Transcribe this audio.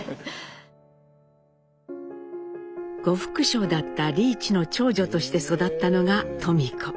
呉服商だった利一の長女として育ったのが登美子。